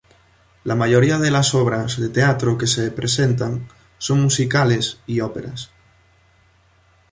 La mayoría de las obras de teatro que se presentan son musicales y óperas.